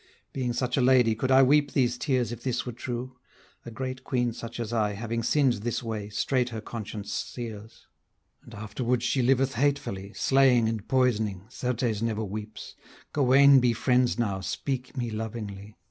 Being such a lady could I weep these tears If this were true? A great queen such as I Having sinn'd this way, straight her conscience sears; And afterwards she liveth hatefully, Slaying and poisoning, certes never weeps: Gauwaine be friends now, speak me lovingly.